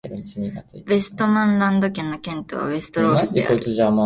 ヴェストマンランド県の県都はヴェステロースである